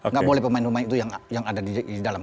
nggak boleh pemain pemain itu yang ada di dalam